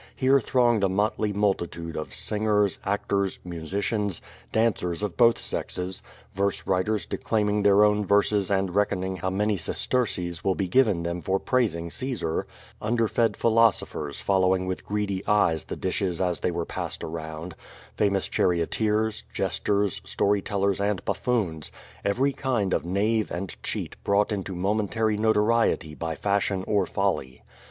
Here thronged a motley multitude of singers, actors, musicians, dancers of both sexes, verse writers declaim ing their own verses and reckoning how many sesterces will be given them for praising Caesar; underfed philosophers, following with greedy eyes the dishes as they were passed around; famous charioteers, jesters, story tellers and buf foons— every kind of knave and cheat brought into momen tary notoriety by fashion or folly.